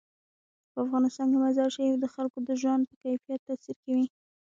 په افغانستان کې مزارشریف د خلکو د ژوند په کیفیت تاثیر کوي.